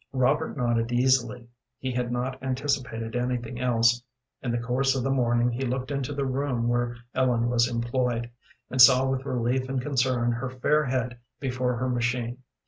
Robert nodded easily. He had not anticipated anything else. In the course of the morning he looked into the room where Ellen was employed, and saw with relief and concern her fair head before her machine.